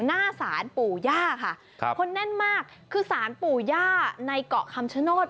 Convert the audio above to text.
หน้าศาลปู่ย่าค่ะครับคนแน่นมากคือสารปู่ย่าในเกาะคำชโนธ